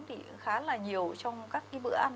thì khá là nhiều trong các cái bữa ăn